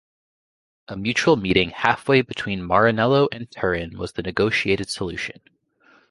A mutual meeting halfway between Maranello and Turin was the negotiated solution.